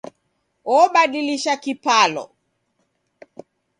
Obadilisha kipalo